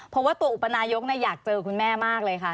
เพราะว่าตัวอุปนายกอยากเจอคุณแม่มากเลยค่ะ